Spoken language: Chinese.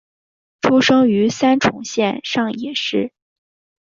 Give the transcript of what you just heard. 出生于三重县上野市。